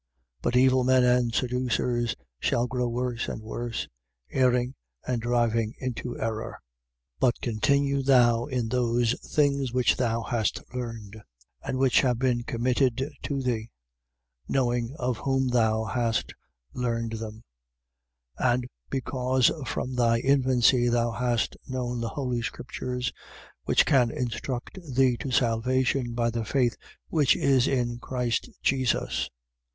But evil men and seducers shall grow worse and worse: erring, and driving into error, 3:14. But continue thou in those things which thou hast learned and which have been committed to thee. Knowing of whom thou hast learned them: 3:15. And because from thy infancy thou hast known the holy scriptures which can instruct thee to salvation by the faith which is in Christ Jesus.